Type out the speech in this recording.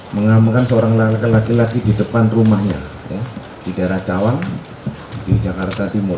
mengamankan seorang laki laki di depan rumahnya di daerah cawang di jakarta timur